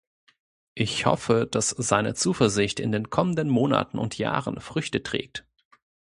Ich hoffe, dass seine Zuversicht in den kommenden Monaten und Jahren Früchte trägt.